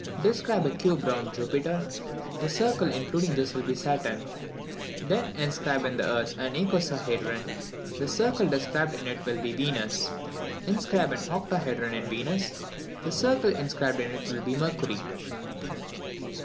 Describe a cube round Jupiter; the circle including this will be Saturn. Then inscribe in the Earth an icosahedron; the circle described in it will be Venus. Inscribe an octohedron in Venus; the circle inscribed in it will be Mercury."